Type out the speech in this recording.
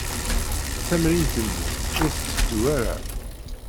Tamrint-nni ur tetteddu ara.